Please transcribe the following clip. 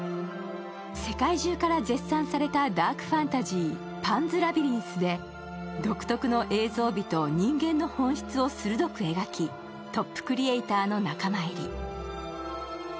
世界中から絶賛されたダークファンタジー、「パンズ・ラビリンス」で独特の映像美と人間の本質を鋭く描き、トップクリエイターの仲間入り。